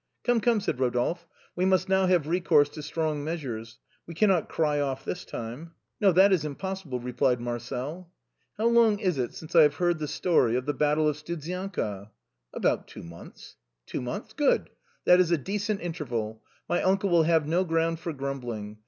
" Come, come," said Rodolphe, " we must now have re course to strong measures, we cannot cry off this time." " No, that is impossible," replied Marcel. A CARLOVINGIAN COIN. 67 " How long is it since I have heard the story of the Battle of Studzianka ?" "About two months." " Two months, good, that is a decent interval ; my uncle will have no ground for grumbling.